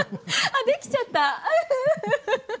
あっできちゃった。